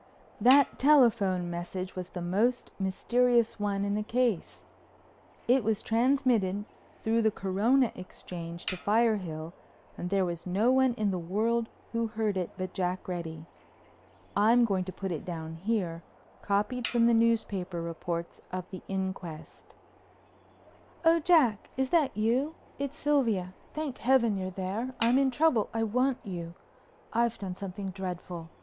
That telephone message was the most mysterious one in the case. It was transmitted through the Corona Exchange to Firehill and there was no one in the world who heard it but Jack Reddy. I'm going to put it down here, copied from the newspaper reports of the inquest: Oh, Jack, is that you? It's Sylvia. Thank Heavens you're there. I'm in trouble, I want you. I've done something dreadful.